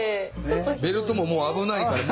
ベルトももう危ないから。